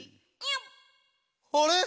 「あれ！